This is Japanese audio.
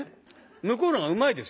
向こうのほうがうまいですよ。